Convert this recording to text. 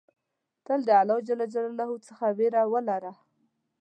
تل د الله ج څخه ویره ولره.